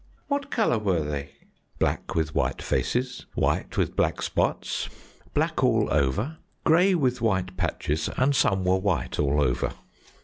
"What colour were they?" "Black with white faces, white with black spots, black all over, grey with white patches, and some were white all over."